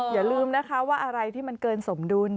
อย่าลืมนะคะว่าอะไรที่มันเกินสมดุล